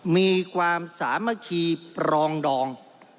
มีความสามัคคีปรองดอง